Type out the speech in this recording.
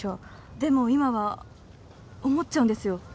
でも今は思っちゃうんですよ